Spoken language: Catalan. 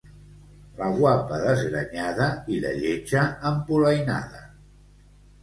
La guapa, desgrenyada, i la lletja, empolainada.